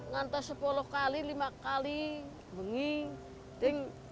nanti sepuluh kali lima kali bengi ting